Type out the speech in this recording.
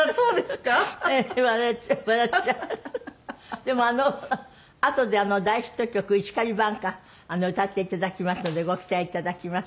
でもあとで大ヒット曲『石狩挽歌』歌って頂きますのでご期待頂きます。